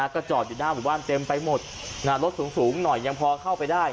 ก็จอดอยู่หน้าหมู่บ้านเต็มไปหมดรถสูงหน่อยยังพอเข้าไปได้